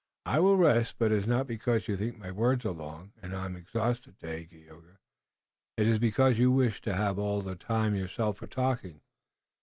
"I will rest, but it is not because you think my words are long and I am exhausted, Dagaeoga. It is because you wish to have all the time yourself for talking.